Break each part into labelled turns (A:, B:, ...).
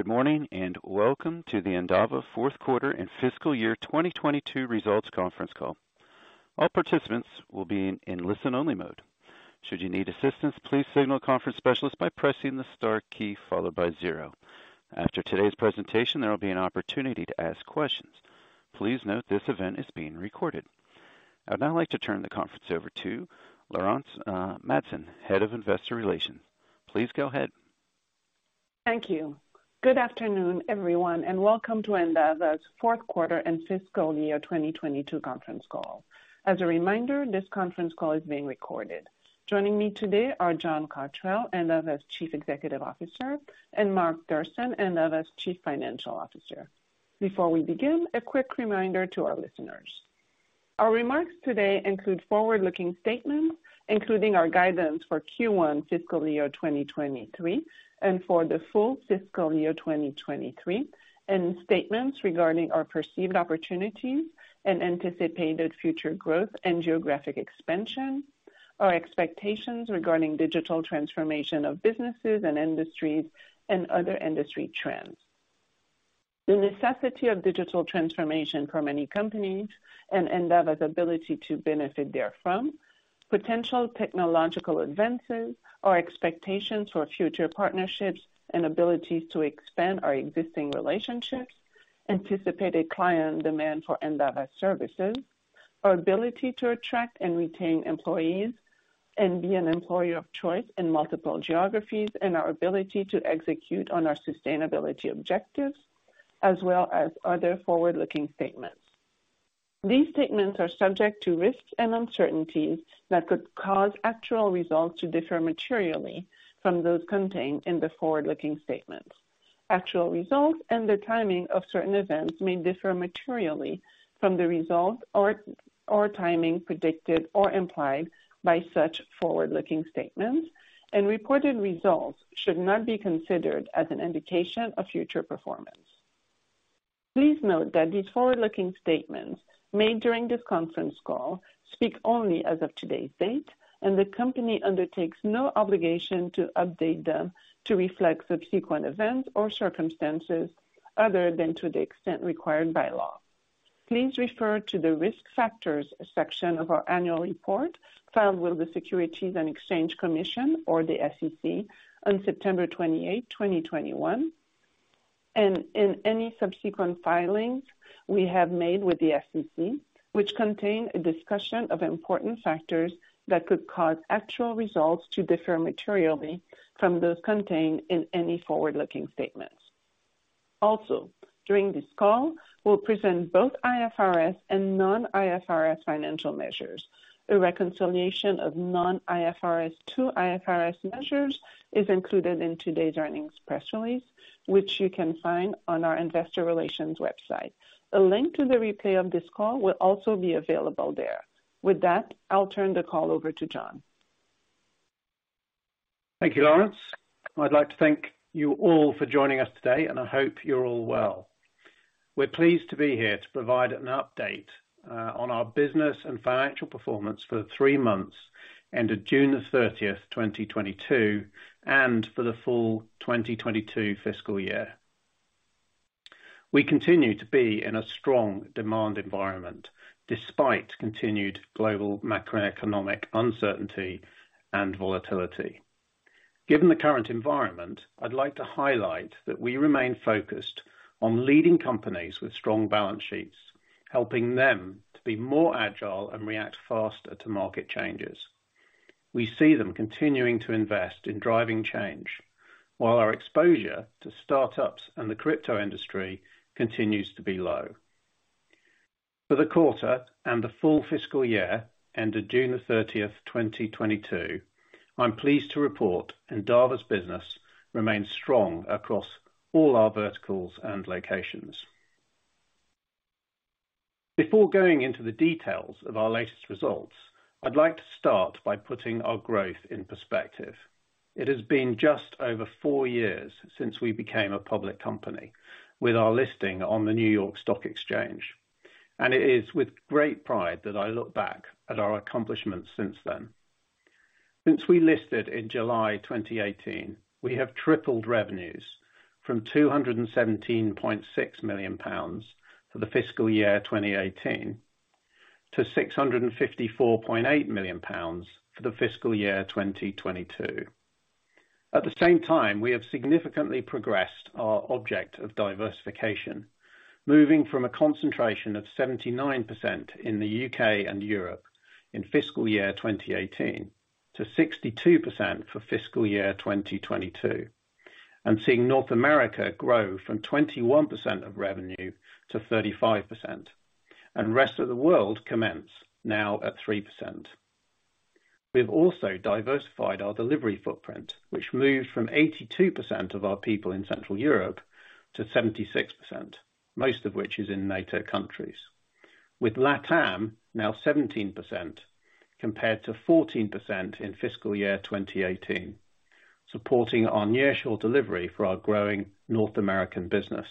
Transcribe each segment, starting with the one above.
A: Good morning, and welcome to the Endava Fourth Quarter and Fiscal Year 2022 Results Conference call. All participants will be in listen only mode. Should you need assistance, please signal a conference specialist by pressing the star key followed by zero. After today's presentation, there will be an opportunity to ask questions. Please note this event is being recorded. I'd now like to turn the conference over to Laurence Madsen, Head of Investor Relations. Please go ahead.
B: Thank you. Good afternoon, everyone, and welcome to Endava's fourth quarter and fiscal year 2022 conference call. As a reminder, this conference call is being recorded. Joining me today are John Cotterell, Endava's Chief Executive Officer, and Mark Thurston, Endava's Chief Financial Officer. Before we begin, a quick reminder to our listeners. Our remarks today include forward-looking statements, including our guidance for Q1 fiscal year 2023 and for the full fiscal year 2023, and statements regarding our perceived opportunities and anticipated future growth and geographic expansion, our expectations regarding digital transformation of businesses and industries and other industry trends. The necessity of digital transformation for many companies and Endava's ability to benefit therefrom, potential technological advances, our expectations for future partnerships and abilities to expand our existing relationships, anticipated client demand for Endava services, our ability to attract and retain employees and be an employer of choice in multiple geographies, and our ability to execute on our sustainability objectives, as well as other forward-looking statements. These statements are subject to risks and uncertainties that could cause actual results to differ materially from those contained in the forward-looking statements. Actual results and the timing of certain events may differ materially from the results or timing predicted or implied by such forward-looking statements, and reported results should not be considered as an indication of future performance. Please note that these forward-looking statements made during this conference call speak only as of today's date, and the company undertakes no obligation to update them to reflect subsequent events or circumstances other than to the extent required by law. Please refer to the Risk Factors section of our annual report filed with the Securities and Exchange Commission, or the SEC, on September 28, 2021, and in any subsequent filings we have made with the SEC, which contain a discussion of important factors that could cause actual results to differ materially from those contained in any forward-looking statements. Also, during this call, we'll present both IFRS and non-IFRS financial measures. A reconciliation of non-IFRS to IFRS measures is included in today's earnings press release, which you can find on our investor relations website. A link to the replay of this call will also be available there. With that, I'll turn the call over to John.
C: Thank you, Laurence. I'd like to thank you all for joining us today, and I hope you're all well. We're pleased to be here to provide an update on our business and financial performance for the three months ended June 30th, 2022, and for the full 2022 fiscal year. We continue to be in a strong demand environment despite continued global macroeconomic uncertainty and volatility. Given the current environment, I'd like to highlight that we remain focused on leading companies with strong balance sheets, helping them to be more agile and react faster to market changes. We see them continuing to invest in driving change, while our exposure to startups and the crypto industry continues to be low. For the quarter and the full fiscal year ended June 30th, 2022, I'm pleased to report Endava's business remains strong across all our verticals and locations. Before going into the details of our latest results, I'd like to start by putting our growth in perspective. It has been just over four years since we became a public company with our listing on the New York Stock Exchange, and it is with great pride that I look back at our accomplishments since then. Since we listed in July 2018, we have tripled revenues from 217.6 million pounds for the fiscal year 2018 to 654.8 million pounds for the fiscal year 2022. At the same time, we have significantly progressed our objective of diversification, moving from a concentration of 79% in the U.K. and Europe in fiscal year 2018 to 62% for fiscal year 2022, and seeing North America grow from 21% of revenue to 35%, and rest of the world coming in now at 3%. We've also diversified our delivery footprint, which moved from 82% of our people in Central Europe to 76%, most of which is in NATO countries, with LATAM now 17% compared to 14% in fiscal year 2018, supporting our nearshore delivery for our growing North American business.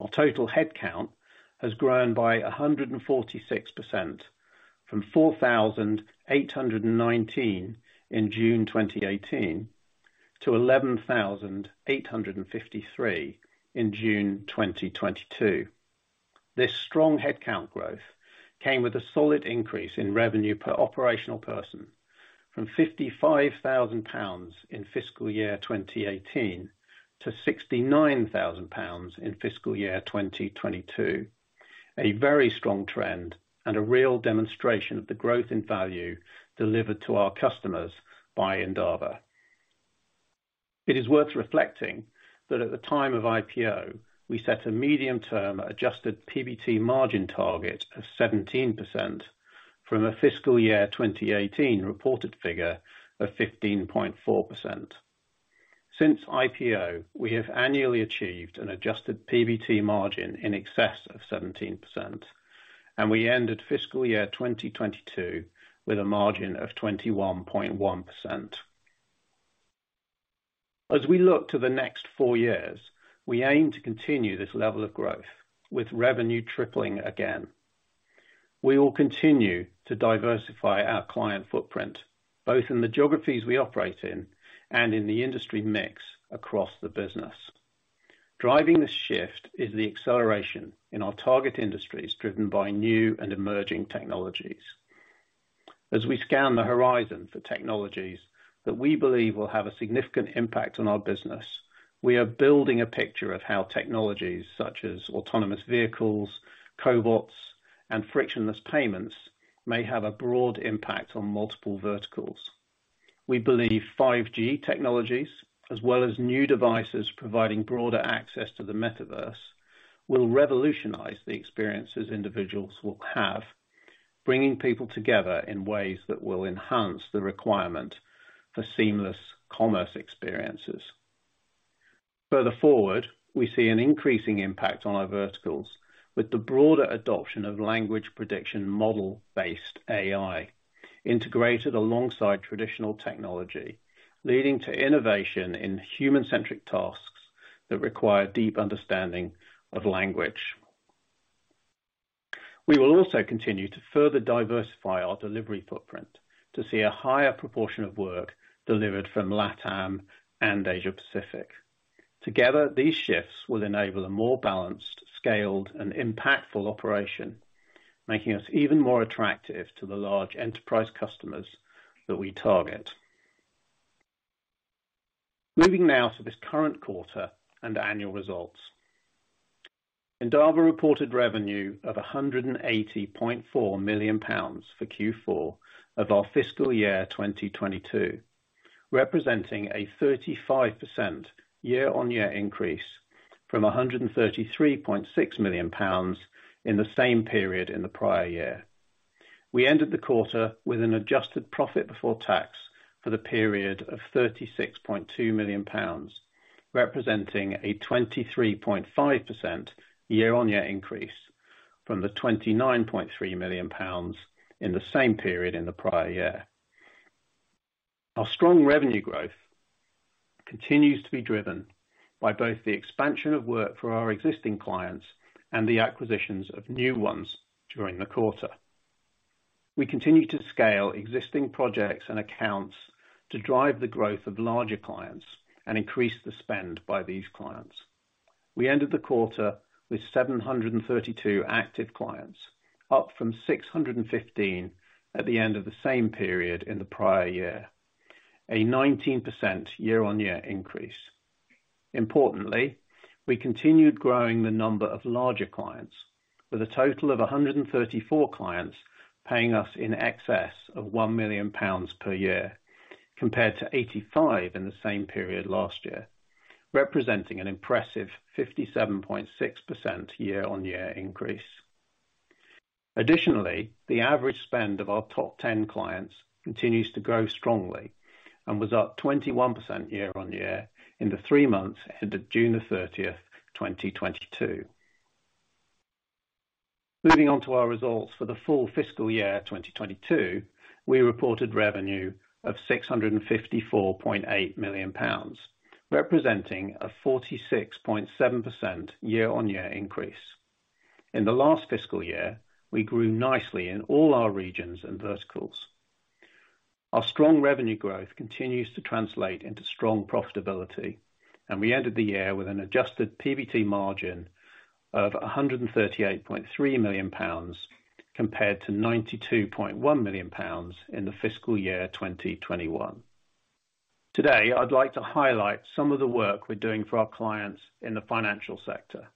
C: Our total headcount has grown by 146% from 4,819 in June 2018 to 11,853 in June 2022. This strong headcount growth came with a solid increase in revenue per operational person from 55,000 pounds in fiscal year 2018 to 69,000 pounds in fiscal year 2022. A very strong trend and a real demonstration of the growth and value delivered to our customers by Endava. It is worth reflecting that at the time of IPO, we set a medium-term Adjusted PBT margin target of 17% from a fiscal year 2018 reported figure of 15.4%. Since IPO, we have annually achieved an Adjusted PBT margin in excess of 17%, and we ended fiscal year 2022 with a margin of 21.1%. As we look to the next four years, we aim to continue this level of growth with revenue tripling again. We will continue to diversify our client footprint, both in the geographies we operate in and in the industry mix across the business. Driving this shift is the acceleration in our target industries driven by new and emerging technologies. As we scan the horizon for technologies that we believe will have a significant impact on our business, we are building a picture of how technologies such as autonomous vehicles, cobots, and frictionless payments may have a broad impact on multiple verticals. We believe 5G technologies as well as new devices providing broader access to the metaverse will revolutionize the experiences individuals will have, bringing people together in ways that will enhance the requirement for seamless commerce experiences. Further forward, we see an increasing impact on our verticals with the broader adoption of language prediction model-based AI integrated alongside traditional technology, leading to innovation in human-centric tasks that require deep understanding of language. We will also continue to further diversify our delivery footprint to see a higher proportion of work delivered from LATAM and Asia Pacific. Together, these shifts will enable a more balanced, scaled, and impactful operation, making us even more attractive to the large enterprise customers that we target. Moving now to this current quarter and annual results. Endava reported revenue of 180.4 million pounds for Q4 of our fiscal year 2022, representing a 35% year-on-year increase from 133.6 million pounds in the same period in the prior year. We ended the quarter with an adjusted profit before tax for the period of 36.2 million pounds, representing a 23.5% year-on-year increase from the 29.3 million pounds in the same period in the prior year. Our strong revenue growth continues to be driven by both the expansion of work for our existing clients and the acquisitions of new ones during the quarter. We continue to scale existing projects and accounts to drive the growth of larger clients and increase the spend by these clients. We ended the quarter with 732 active clients, up from 615 at the end of the same period in the prior year, a 19% year-on-year increase. Importantly, we continued growing the number of larger clients with a total of 134 clients paying us in excess of 1 million pounds per year compared to 85 in the same period last year, representing an impressive 57.6% year-on-year increase. Additionally, the average spend of our top 10 clients continues to grow strongly and was up 21% year-on-year in the three months ended June 30th, 2022. Moving on to our results for the full fiscal year 2022, we reported revenue of 654.8 million pounds, representing a 46.7% year-on-year increase. In the last fiscal year, we grew nicely in all our regions and verticals. Our strong revenue growth continues to translate into strong profitability, and we ended the year with an Adjusted PBT margin of 138.3 million pounds, compared to 92.1 million pounds in the fiscal year 2021. Today, I'd like to highlight some of the work we're doing for our clients in the financial sector.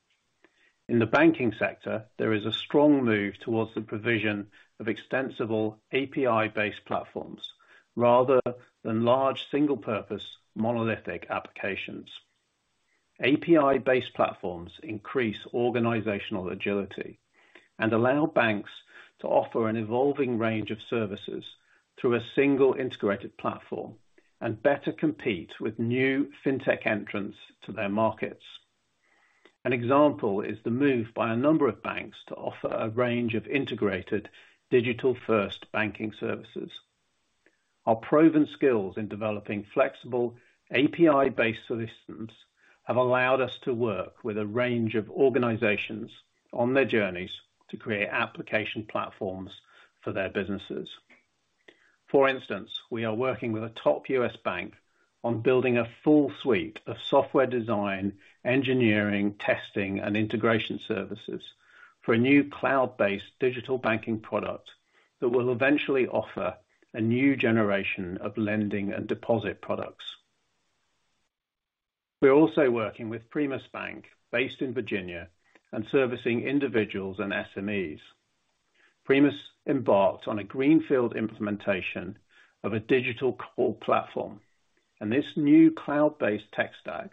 C: In the banking sector, there is a strong move towards the provision of extensible API-based platforms rather than large single-purpose monolithic applications. API-based platforms increase organizational agility and allow banks to offer an evolving range of services through a single integrated platform and better compete with new fintech entrants to their markets. An example is the move by a number of banks to offer a range of integrated digital-first banking services. Our proven skills in developing flexible API-based solutions have allowed us to work with a range of organizations on their journeys to create application platforms for their businesses. For instance, we are working with a top U.S. bank on building a full suite of software design, engineering, testing, and integration services for a new cloud-based digital banking product that will eventually offer a new generation of lending and deposit products. We're also working with Primis Bank based in Virginia and servicing individuals and SMEs. Primis embarked on a greenfield implementation of a digital core platform, and this new cloud-based tech stack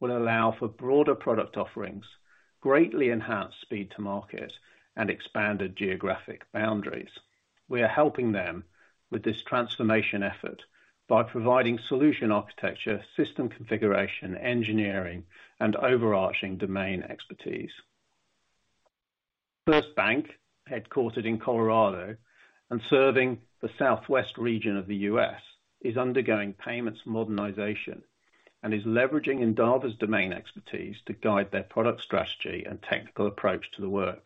C: will allow for broader product offerings, greatly enhanced speed to market, and expanded geographic boundaries. We are helping them with this transformation effort by providing solution architecture, system configuration, engineering, and overarching domain expertise. First Bank, headquartered in Colorado and serving the southwest region of the U.S., is undergoing payments modernization and is leveraging Endava's domain expertise to guide their product strategy and technical approach to the work.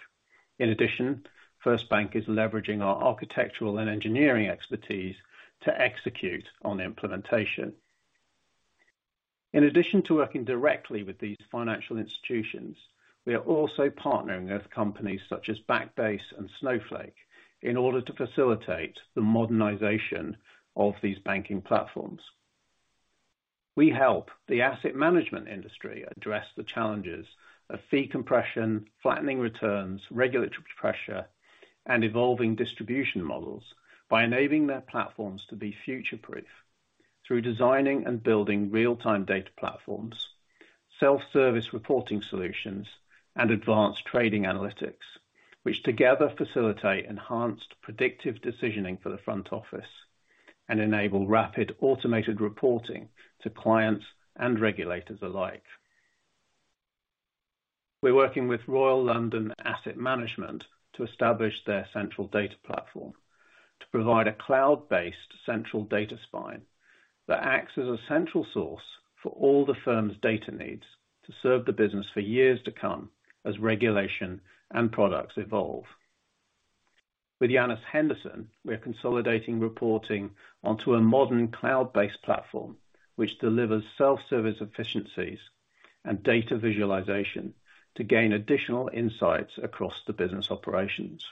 C: In addition, First Bank is leveraging our architectural and engineering expertise to execute on the implementation. In addition to working directly with these financial institutions, we are also partnering with companies such as Backbase and Snowflake in order to facilitate the modernization of these banking platforms. We help the asset management industry address the challenges of fee compression, flattening returns, regulatory pressure, and evolving distribution models by enabling their platforms to be future-proof through designing and building real-time data platforms, self-service reporting solutions, and advanced trading analytics, which together facilitate enhanced predictive decisioning for the front office and enable rapid automated reporting to clients and regulators alike. We're working with Royal London Asset Management to establish their central data platform to provide a cloud-based central data spine that acts as a central source for all the firm's data needs to serve the business for years to come as regulation and products evolve. With Janus Henderson, we are consolidating reporting onto a modern cloud-based platform, which delivers self-service efficiencies and data visualization to gain additional insights across the business operations.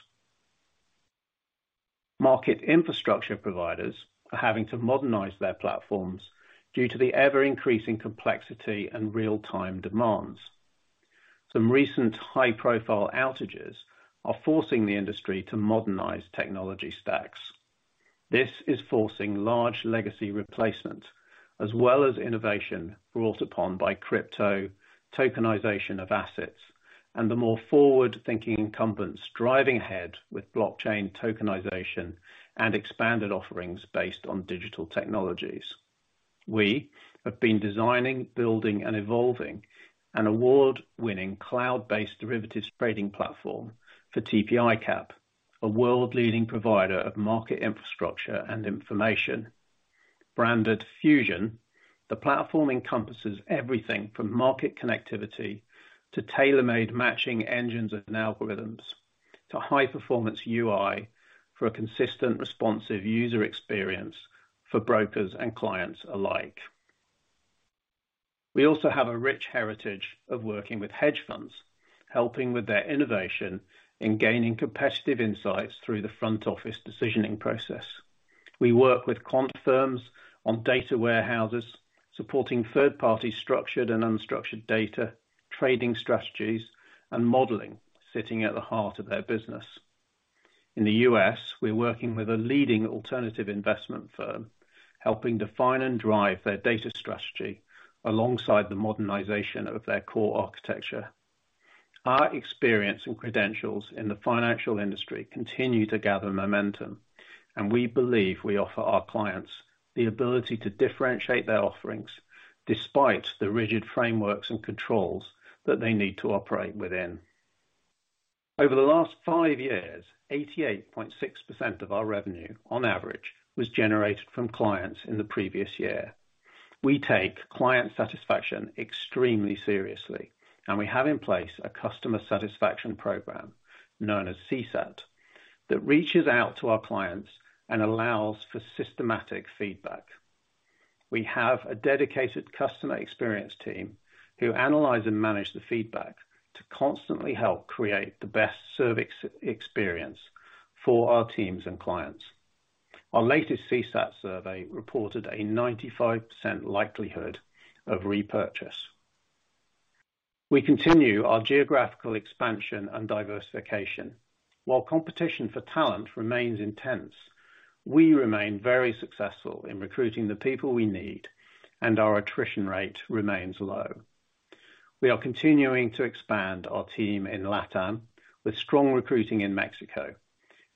C: Market infrastructure providers are having to modernize their platforms due to the ever-increasing complexity and real-time demands. Some recent high-profile outages are forcing the industry to modernize technology stacks. This is forcing large legacy replacement as well as innovation brought upon by crypto tokenization of assets and the more forward-thinking incumbents driving ahead with blockchain tokenization and expanded offerings based on digital technologies. We have been designing, building, and evolving an award-winning cloud-based derivatives trading platform for TP ICAP, a world-leading provider of market infrastructure and information. Branded Fusion, the platform encompasses everything from market connectivity to tailor-made matching engines and algorithms, to high-performance UI for a consistent, responsive user experience for brokers and clients alike. We also have a rich heritage of working with hedge funds, helping with their innovation in gaining competitive insights through the front office decisioning process. We work with quant firms on data warehouses, supporting third-party structured and unstructured data, trading strategies, and modeling, sitting at the heart of their business. In the U.S., we're working with a leading alternative investment firm, helping define and drive their data strategy alongside the modernization of their core architecture. Our experience and credentials in the financial industry continue to gather momentum, and we believe we offer our clients the ability to differentiate their offerings despite the rigid frameworks and controls that they need to operate within. Over the last five years, 88.6% of our revenue on average was generated from clients in the previous year. We take client satisfaction extremely seriously, and we have in place a customer satisfaction program known as CSAT that reaches out to our clients and allows for systematic feedback. We have a dedicated customer experience team who analyze and manage the feedback to constantly help create the best service experience for our teams and clients. Our latest CSAT survey reported a 95% likelihood of repurchase. We continue our geographical expansion and diversification. While competition for talent remains intense, we remain very successful in recruiting the people we need, and our attrition rate remains low. We are continuing to expand our team in LATAM with strong recruiting in Mexico,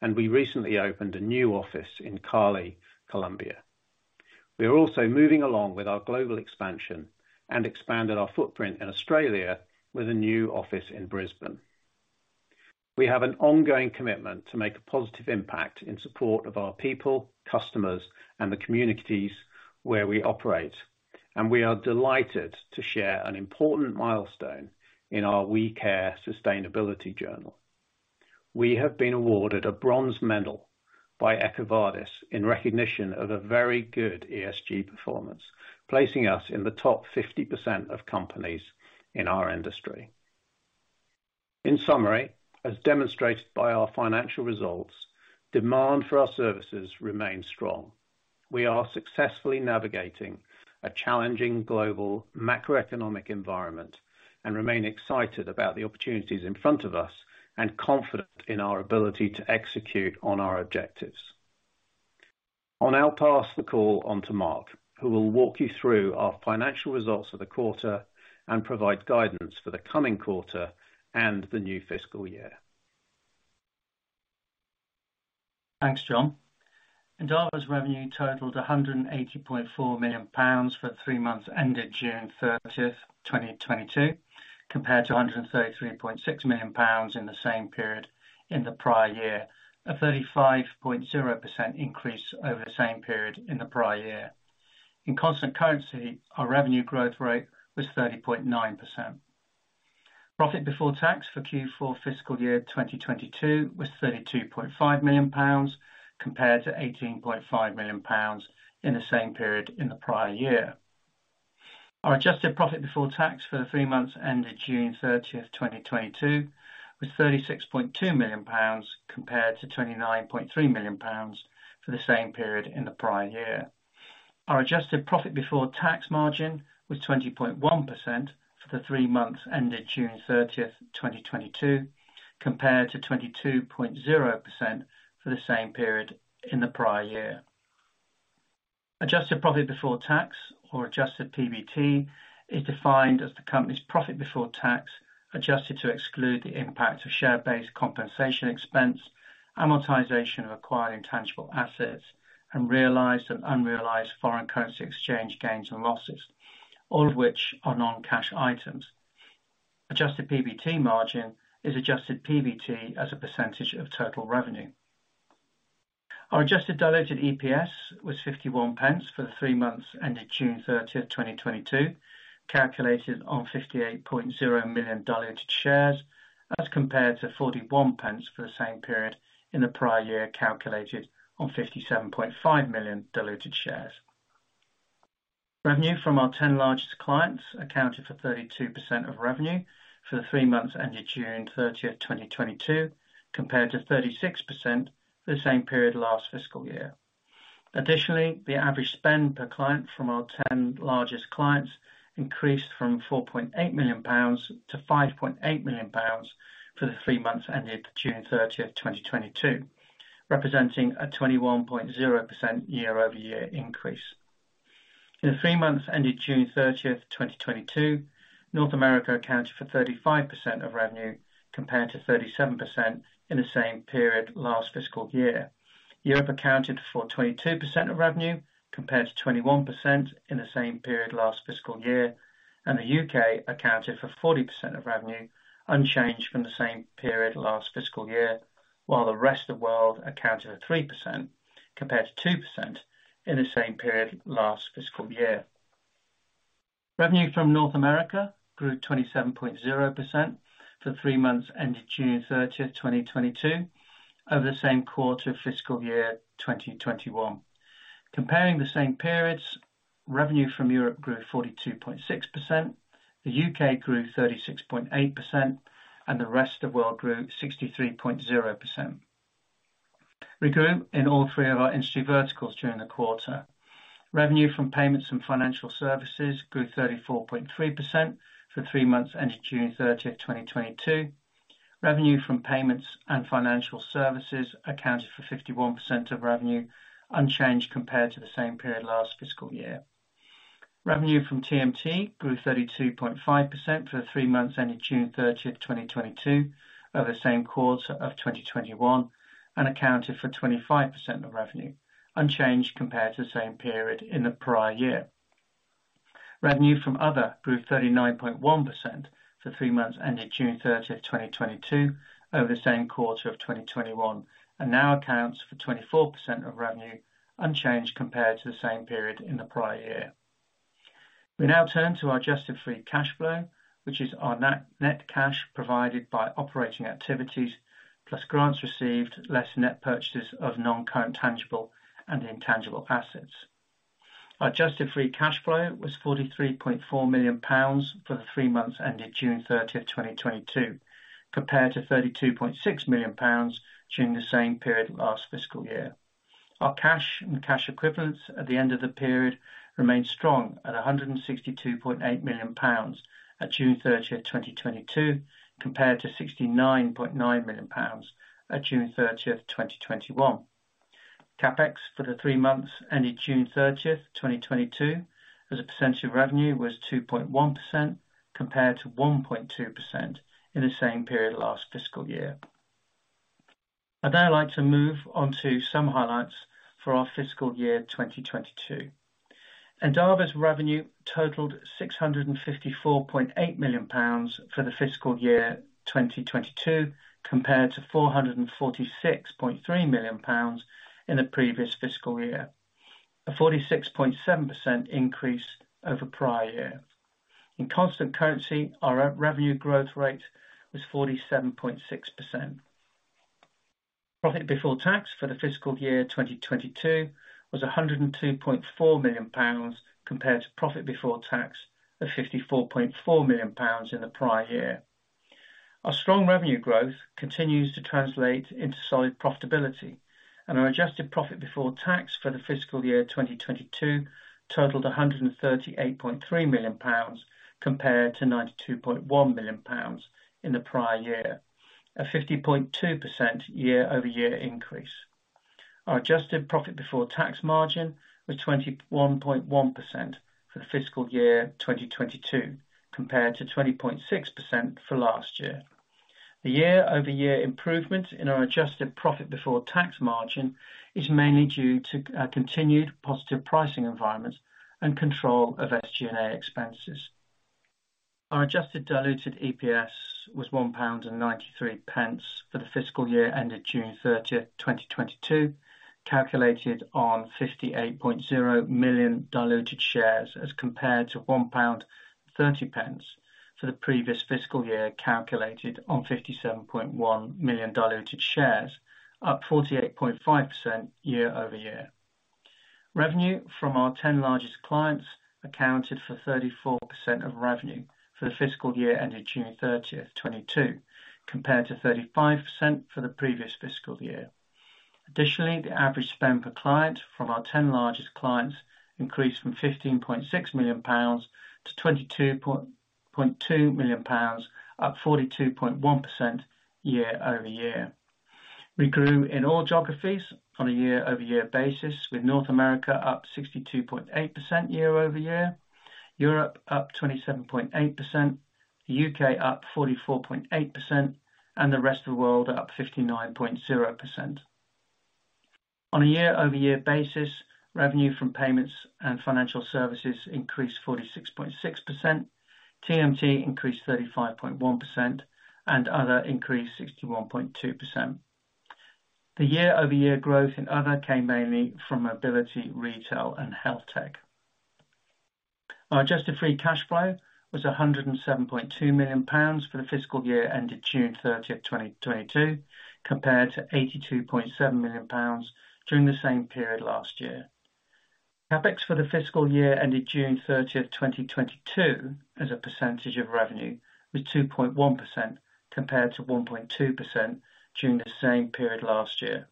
C: and we recently opened a new office in Cali, Colombia. We are also moving along with our global expansion and expanded our footprint in Australia with a new office in Brisbane. We have an ongoing commitment to make a positive impact in support of our people, customers, and the communities where we operate, and we are delighted to share an important milestone in our We Care sustainability journal. We have been awarded a bronze medal by EcoVadis in recognition of a very good ESG performance, placing us in the top 50% of companies in our industry. In summary, as demonstrated by our financial results, demand for our services remains strong. We are successfully navigating a challenging global macroeconomic environment and remain excited about the opportunities in front of us and confident in our ability to execute on our objectives. I'll now pass the call on to Mark, who will walk you through our financial results for the quarter and provide guidance for the coming quarter and the new fiscal year.
D: Thanks, John. Endava's revenue totaled 180.4 million pounds for the three months ended June 30th, 2022, compared to 133.6 million pounds in the same period in the prior year. 35.0% increase over the same period in the prior year. In constant currency, our revenue growth rate was 30.9%. Profit before tax for Q4 fiscal year 2022 was 32.5 million pounds compared to 18.5 million pounds in the same period in the prior year. Our adjusted profit before tax for the three months ended June 30th, 2022 was 36.2 million pounds compared to 29.3 million pounds for the same period in the prior year. Our adjusted profit before tax margin was 20.1% for the three months ended June 30th, 2022, compared to 22.0% for the same period in the prior year. Adjusted profit before tax or Adjusted PBT is defined as the company's profit before tax, adjusted to exclude the impact of share-based compensation expense, amortization of acquired intangible assets, and realized and unrealized foreign currency exchange gains and losses, all of which are non-cash items. Adjusted PBT margin is Adjusted PBT as a percentage of total revenue. Our adjusted diluted EPS was 0.51 for the three months ended June 30th, 2022, calculated on 58.0 million diluted shares as compared to 0.41 for the same period in the prior year, calculated on 57.5 million diluted shares. Revenue from our 10 largest clients accounted for 32% of revenue for the three months ended June 30th, 2022, compared to 36% for the same period last fiscal year. Additionally, the average spend per client from our ten largest clients increased from 4.8 million pounds to 5.8 million pounds for the three months ended June 30th, 2022, representing a 21.0% year-over-year increase. In the three months ended June 30th, 2022, North America accounted for 35% of revenue, compared to 37% in the same period last fiscal year. Europe accounted for 22% of revenue compared to 21% in the same period last fiscal year, and the U.K. accounted for 40% of revenue, unchanged from the same period last fiscal year, while the rest of world accounted for 3% compared to 2% in the same period last fiscal year. Revenue from North America grew 27.0% for the three months ended June 30th, 2022 over the same quarter of fiscal year 2021. Comparing the same periods, revenue from Europe grew 42.6%, the U.K. grew 36.8%, and the rest of world grew 63.0%. We grew in all three of our industry verticals during the quarter. Revenue from payments and financial services grew 34.3% for the three months ended June 30th, 2022. Revenue from payments and financial services accounted for 51% of revenue, unchanged compared to the same period last fiscal year. Revenue from TMT grew 32.5% for the three months ended June 30th, 2022 over the same quarter of 2021, and accounted for 25% of revenue, unchanged compared to the same period in the prior year. Revenue from other grew 39.1% for three months ended June 30th, 2022 over the same quarter of 2021, and now accounts for 24% of revenue, unchanged compared to the same period in the prior year. We now turn to our adjusted free cash flow, which is our net cash provided by operating activities plus grants received less net purchases of non-current tangible and intangible assets. Our adjusted free cash flow was 43.4 million pounds for the three months ended June 30th, 2022, compared to 32.6 million pounds during the same period last fiscal year. Our cash and cash equivalents at the end of the period remained strong at 162.8 million pounds at June 30th, 2022, compared to 69.9 million pounds at June 30thth, 2021. CapEx for the three months ended June 30th, 2022 as a percentage of revenue was 2.1% compared to 1.2% in the same period last fiscal year. I'd now like to move on to some highlights for our fiscal year 2022. Endava's revenue totaled 654.8 million pounds for the fiscal year 2022, compared to 446.3 million pounds in the previous fiscal year. A 46.7% increase over prior year. In constant currency, our revenue growth rate was 47.6%. Profit before tax for the fiscal year 2022 was 102.4 million pounds, compared to profit before tax of 54.4 million pounds in the prior year. Our strong revenue growth continues to translate into solid profitability, and our adjusted profit before tax for the fiscal year 2022 totaled 138.3 million pounds, compared to 92.1 million pounds in the prior year. A 50.2% year-over-year increase. Our adjusted profit before tax margin was 21.1% for the fiscal year 2022, compared to 20.6% for last year. The year-over-year improvement in our adjusted profit before tax margin is mainly due to continued positive pricing environments and control of SG&A expenses. Our adjusted diluted EPS was 1.93 pound for the fiscal year ended June 30th, 2022, calculated on 58.0 million diluted shares as compared to 1.30 pound for the previous fiscal year, calculated on 57.1 million diluted shares, up 48.5% year-over-year. Revenue from our ten largest clients accounted for 34% of revenue for the fiscal year ended June 30th, 2022, compared to 35% for the previous fiscal year. Additionally, the average spend per client from our 10 largest clients increased from 15.6 million pounds to 22.2 million pounds, up 42.1% year-over-year. We grew in all geographies on a year-over-year basis, with North America up 62.8% year-over-year, Europe up 27.8%, the U.K. up 44.8%, and the rest of the world up 59.0%. On a year-over-year basis, revenue from payments and financial services increased 46.6%, TMT increased 35.1%, and other increased 61.2%. The year-over-year growth in other came mainly from mobility, retail and health tech. Our adjusted free cash flow was 107.2 million pounds for the fiscal year ended June 30, 2022, compared to 82.7 million pounds during the same period last year. CapEx for the fiscal year ended June 30th, 2022, as a percentage of revenue, was 2.1% compared to 1.2% during the same period last year.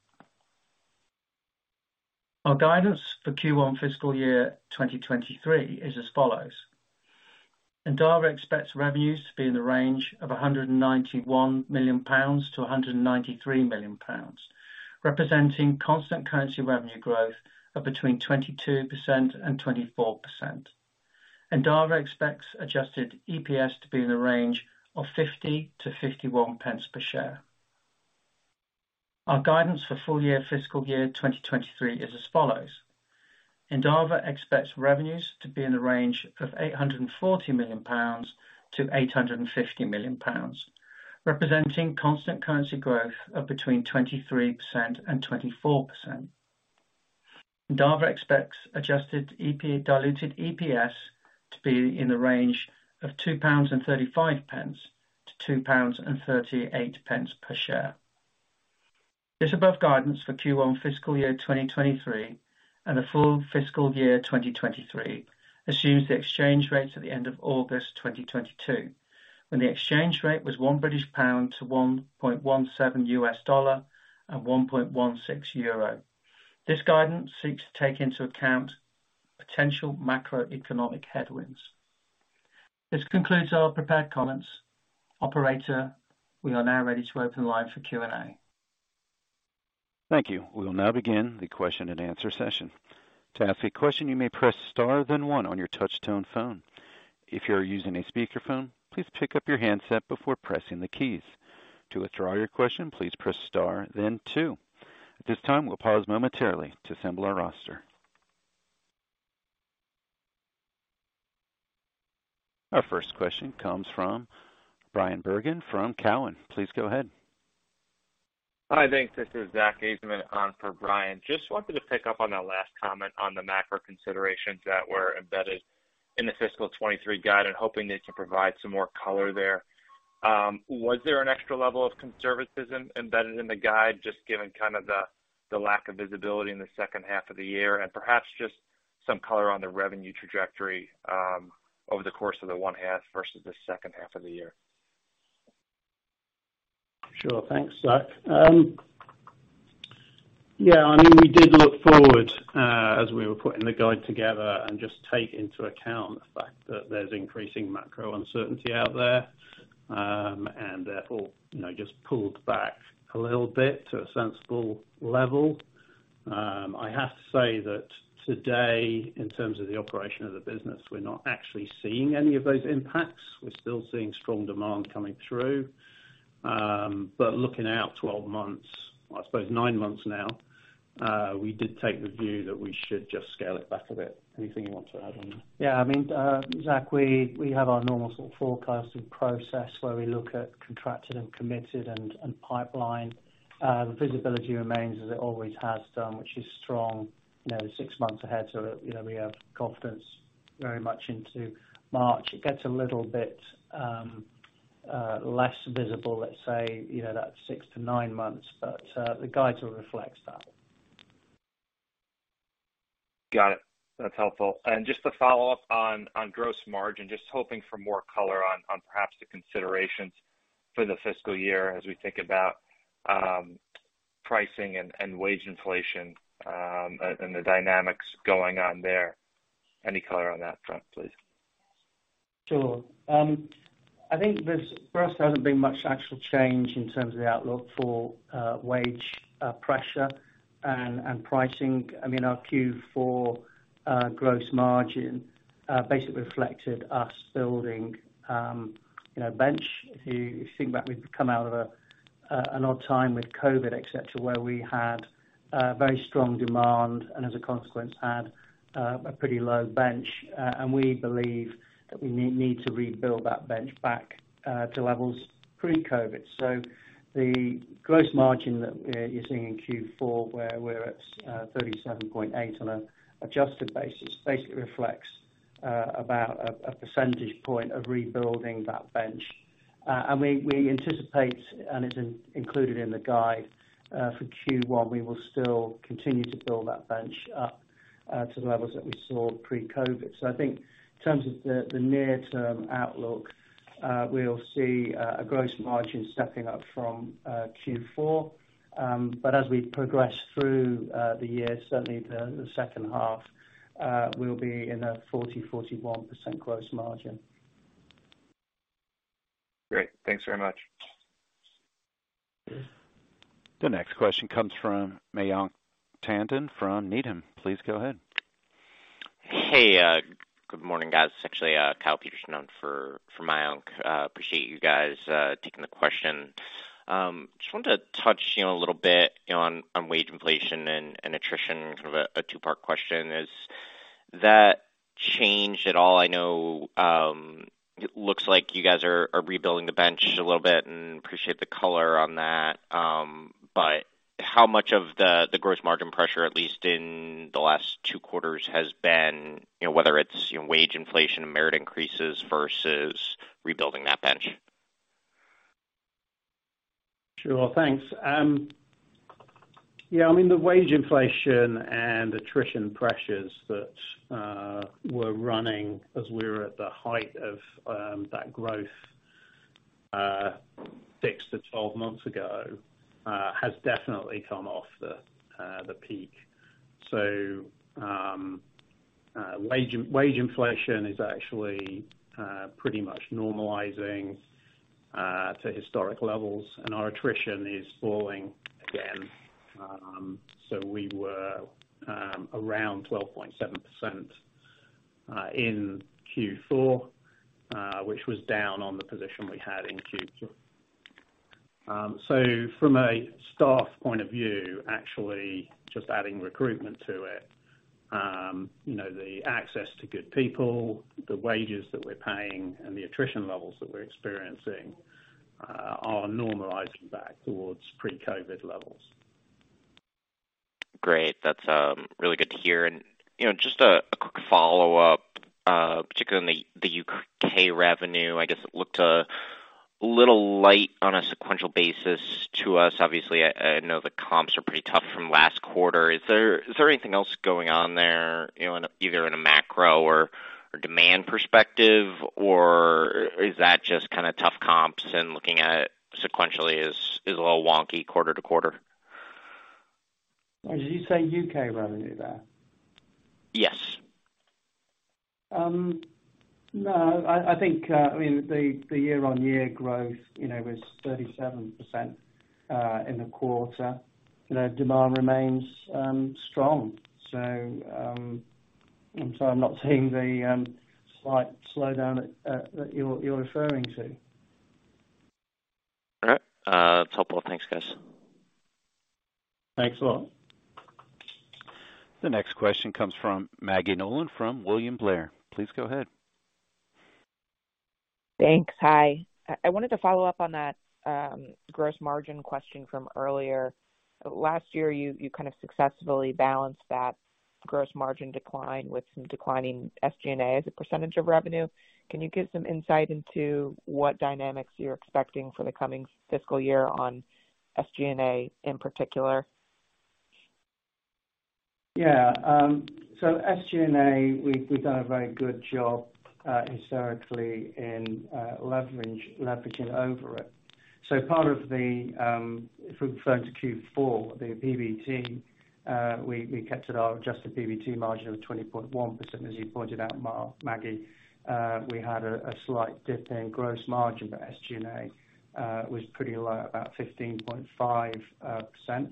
D: Our guidance for Q1 fiscal year 2023 is as follows. Endava expects revenues to be in the range of 191 million-193 million pounds, representing constant currency revenue growth of between 22% and 24%. Endava expects adjusted EPS to be in the range of 0.50-0.51 per share. Our guidance for full year fiscal year 2023 is as follows. Endava expects revenues to be in the range of 840 million-850 million pounds, representing constant currency growth of between 23% and 24%. Endava expects adjusted diluted EPS to be in the range of 2.35-2.38 pounds per share. The above guidance for Q1 fiscal year 2023 and the full fiscal year 2023 assumes the exchange rates at the end of August 2022, when the exchange rate was 1 British pound to $1.17 and 1.16 euro. This guidance seeks to take into account potential macroeconomic headwinds. This concludes our prepared comments. Operator, we are now ready to open the line for Q&A.
A: Thank you. We will now begin the question and answer session. To ask a question, you may press star then one on your touch tone phone. If you are using a speakerphone, please pick up your handset before pressing the keys. To withdraw your question, please press star then two. At this time, we'll pause momentarily to assemble our roster. Our first question comes from Bryan Bergin from Cowen. Please go ahead.
E: Hi, thanks. This is Zack Ajzenman on for Bryan. Just wanted to pick up on that last comment on the macro considerations that were embedded in the fiscal 2023 guide and hoping you can provide some more color there. Was there an extra level of conservatism embedded in the guide just given kind of the lack of visibility in the second half of the year? Perhaps just some color on the revenue trajectory over the course of the first half versus the second half of the year.
D: Sure. Thanks, Zack. Yeah, I mean, we did look forward as we were putting the guide together and just take into account the fact that there's increasing macro uncertainty out there. Therefore, you know, just pulled back a little bit to a sensible level.
C: I have to say that today, in terms of the operation of the business, we're not actually seeing any of those impacts. We're still seeing strong demand coming through. Looking out 12 months, I suppose nine months now, we did take the view that we should just scale it back a bit. Anything you want to add on that?
D: Yeah. I mean, Zack, we have our normal sort of forecasting process where we look at contracted and committed and pipeline. The visibility remains as it always has done, which is strong, you know, six months ahead. You know, we have confidence very much into March. It gets a little bit less visible, let's say, you know, that six to nine months, but the guide will reflect that.
E: Got it. That's helpful. Just to follow up on gross margin, just hoping for more color on perhaps the considerations for the fiscal year as we think about pricing and wage inflation and the dynamics going on there. Any color on that front, please?
D: Sure. I think there's for us, there hasn't been much actual change in terms of the outlook for wage pressure and pricing. I mean, our Q4 gross margin basically reflected us building, you know, bench. If you think about we've come out of an odd time with COVID, et cetera, where we had very strong demand and as a consequence had a pretty low bench. We believe that we need to rebuild that bench back to levels pre-COVID. The gross margin that we're using in Q4, where we're at 37.8% on an adjusted basis, basically reflects about a percentage point of rebuilding that bench. We anticipate it is included in the guide for Q1. We will still continue to build that bench up to the levels that we saw pre-COVID. I think in terms of the near-term outlook, we'll see a gross margin stepping up from Q4. As we progress through the year, certainly the second half, we'll be in a 40%-41% gross margin.
E: Great. Thanks very much.
A: The next question comes from Mayank Tandon from Needham. Please go ahead.
F: Hey, good morning, guys. It's actually Kyle Peterson in for from Mayank. Appreciate you guys taking the question. Just wanted to touch, you know, a little bit on wage inflation and attrition, kind of a two-part question. Is that changed at all? I know it looks like you guys are rebuilding the bench a little bit and appreciate the color on that. How much of the gross margin pressure, at least in the last two quarters, has been, you know, whether it's wage inflation and merit increases versus rebuilding that bench?
C: Sure. Thanks. Yeah, I mean, the wage inflation and attrition pressures that were running as we were at the height of that growth six to 12 months ago has definitely come off the peak. Wage inflation is actually pretty much normalizing to historic levels, and our attrition is falling again. We were around 12.7% in Q4, which was down on the position we had in Q3. From a staff point of view, actually just adding recruitment to it, you know, the access to good people, the wages that we're paying and the attrition levels that we're experiencing are normalizing back towards pre-COVID levels.
F: Great. That's really good to hear. You know, just a quick follow-up, particularly on the U.K. revenue, I guess it looked a little light on a sequential basis to us. Obviously, I know the comps are pretty tough from last quarter. Is there anything else going on there, you know, either in a macro or demand perspective? Or is that just kinda tough comps and looking at it sequentially is a little wonky quarter to quarter?
D: Did you say U.K. revenue there?
F: Yes.
D: No, I think, I mean, the year-on-year growth, you know, was 37% in the quarter. You know, demand remains strong. I'm sorry, I'm not seeing the slight slowdown that you're referring to.
F: All right. It's helpful. Thanks, guys.
D: Thanks a lot.
A: The next question comes from Maggie Nolan from William Blair. Please go ahead.
G: Thanks. Hi. I wanted to follow up on that, gross margin question from earlier. Last year, you kind of successfully balanced that gross margin decline with some declining SG&A as a percentage of revenue. Can you give some insight into what dynamics you're expecting for the coming fiscal year on SG&A in particular?
D: Yeah. SG&A, we've done a very good job historically in leveraging over it. Part of the, if we refer to Q4, the PBT, we kept our Adjusted PBT margin of 20.1%. As you pointed out, Maggie, we had a slight dip in gross margin, but SG&A was pretty low, about 15.5%.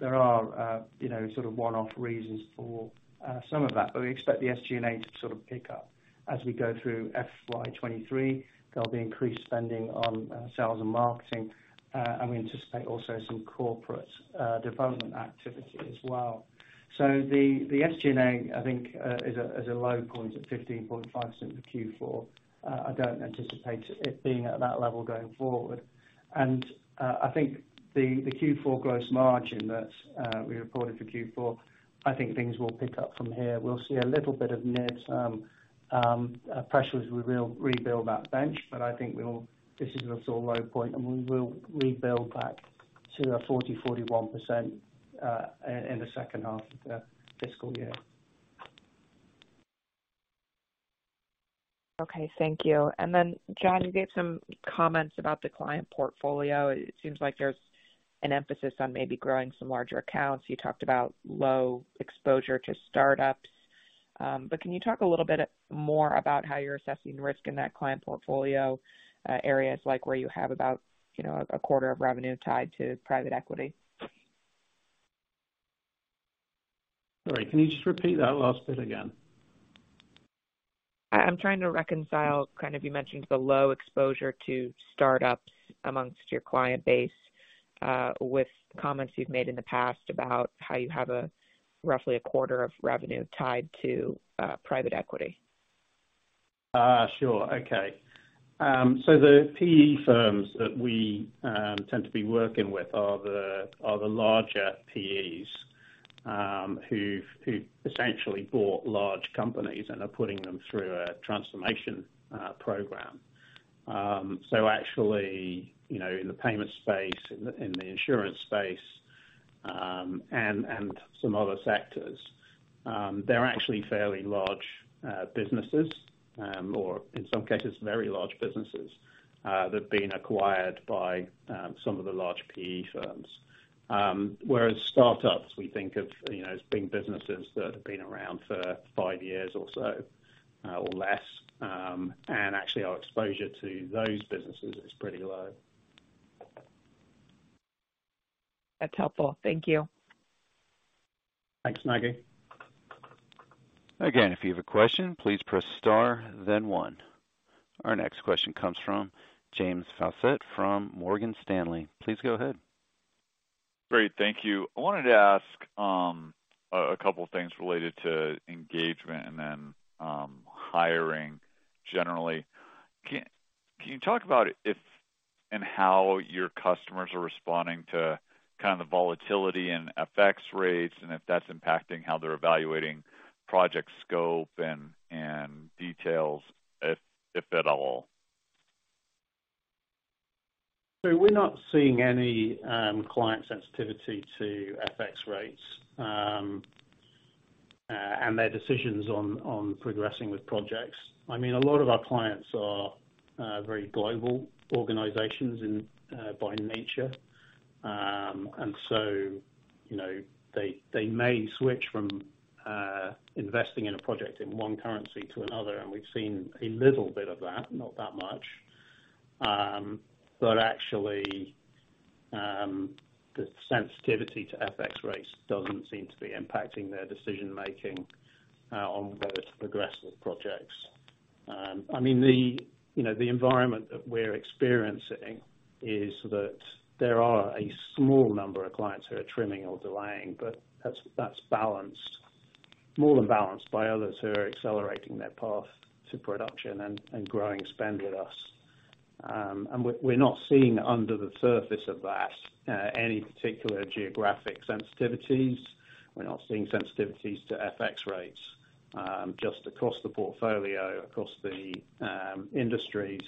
D: There are, you know, sort of one-off reasons for some of that, but we expect the SG&A to sort of pick up. As we go through FY 2023, there'll be increased spending on sales and marketing, and we anticipate also some corporate development activity as well. The SG&A, I think, is a low point at 15.5% since Q4. I don't anticipate it being at that level going forward. I think the Q4 gross margin that we reported for Q4, I think things will pick up from here. We'll see a little bit of near-term pressures as we rebuild that bench. This is a sort of low point, and we will rebuild back to our 40%-41% in the second half of the fiscal year.
G: Okay, thank you. John, you gave some comments about the client portfolio. It seems like there's an emphasis on maybe growing some larger accounts. You talked about low exposure to startups. Can you talk a little bit more about how you're assessing risk in that client portfolio, areas like where you have about, you know, a quarter of revenue tied to private equity?
C: Sorry, can you just repeat that last bit again?
G: I'm trying to reconcile kind of you mentioning the low exposure to startups among your client base with comments you've made in the past about how you have a roughly a quarter of revenue tied to private equity.
C: Sure. The PE firms that we tend to be working with are the larger PEs who essentially bought large companies and are putting them through a transformation program. Actually, you know, in the payment space, in the insurance space, and some other sectors, they're actually fairly large businesses or in some cases, very large businesses that have been acquired by some of the large PE firms. Whereas startups we think of, you know, as being businesses that have been around for five years or so, or less. Actually our exposure to those businesses is pretty low.
G: That's helpful. Thank you.
C: Thanks, Maggie.
A: Again, if you have a question, please press star then one. Our next question comes from James Faucette from Morgan Stanley. Please go ahead.
H: Great. Thank you. I wanted to ask a couple things related to engagement and then hiring generally. Can you talk about if and how your customers are responding to kind of the volatility and FX rates, and if that's impacting how they're evaluating project scope and details, if at all?
C: We're not seeing any client sensitivity to FX rates and their decisions on progressing with projects. I mean, a lot of our clients are very global organizations by nature. You know, they may switch from investing in a project in one currency to another, and we've seen a little bit of that, not that much. Actually, the sensitivity to FX rates doesn't seem to be impacting their decision-making on whether to progress with projects. I mean, you know, the environment that we're experiencing is that there are a small number of clients who are trimming or delaying, but that's balanced, more than balanced by others who are accelerating their path to production and growing spend with us. We're not seeing under the surface of that any particular geographic sensitivities. We're not seeing sensitivities to FX rates. Just across the portfolio, across the industries,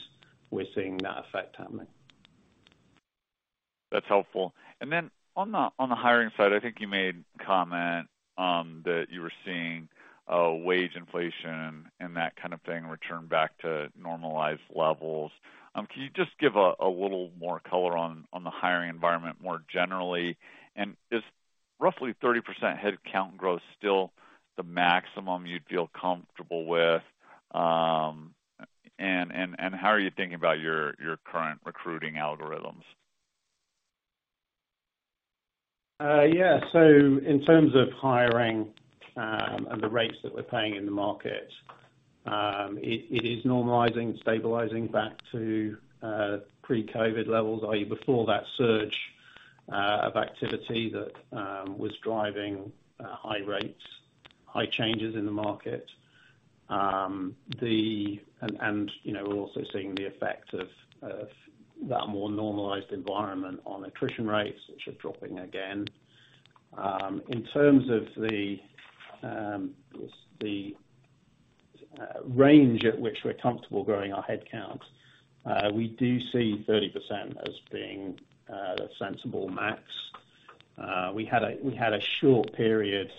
C: we're seeing that effect happening.
H: That's helpful. On the hiring side, I think you made a comment that you were seeing wage inflation and that kind of thing return back to normalized levels. Can you just give a little more color on the hiring environment more generally? Is roughly 30% headcount growth still the maximum you'd feel comfortable with? How are you thinking about your current recruiting algorithms?
C: Yeah. In terms of hiring and the rates that we're paying in the market, it is normalizing and stabilizing back to pre-COVID levels. i.e., before that surge of activity that was driving high rates, high changes in the market. You know, we're also seeing the effect of that more normalized environment on attrition rates, which are dropping again. In terms of the range at which we're comfortable growing our headcount, we do see 30% as being the sensible max. We had a short period,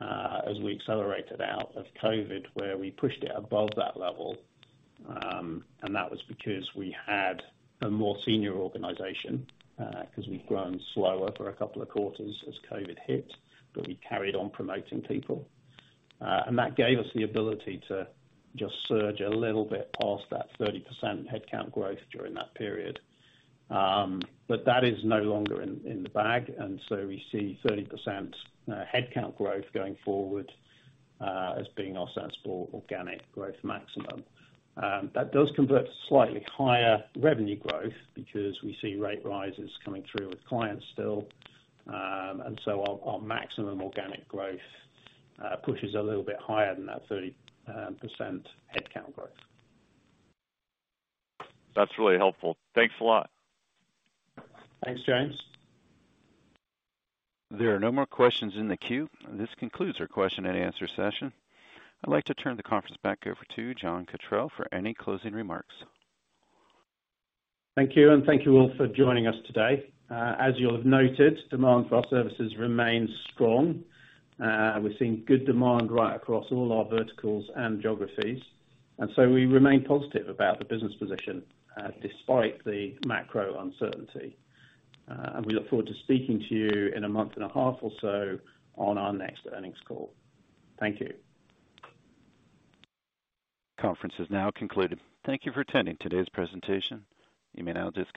C: as we accelerated out of COVID, where we pushed it above that level. That was because we had a more senior organization, 'cause we'd grown slower for a couple of quarters as COVID hit, but we carried on promoting people. That gave us the ability to just surge a little bit past that 30% headcount growth during that period. That is no longer in the bag. We see 30% headcount growth going forward as being our sensible organic growth maximum. That does convert to slightly higher revenue growth because we see rate rises coming through with clients still. Our maximum organic growth pushes a little bit higher than that 30% headcount growth.
H: That's really helpful. Thanks a lot.
C: Thanks, James.
A: There are no more questions in the queue. This concludes our question and answer session. I'd like to turn the conference back over to John Cotterell for any closing remarks.
C: Thank you, and thank you all for joining us today. As you'll have noted, demand for our services remains strong. We're seeing good demand right across all our verticals and geographies. We remain positive about the business position, despite the macro uncertainty. We look forward to speaking to you in a month and a half or so on our next earnings call. Thank you.
A: Conference is now concluded. Thank you for attending today's presentation. You may now disconnect.